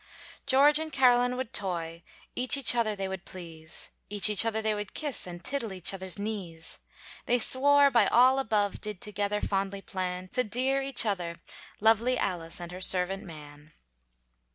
George and Caroline would toy, Each other they would please, Each other they would kiss, And tiddle each other's knees. They swore by all above, Did together fondly plan, To dear each other, lovely Alice and her servant man.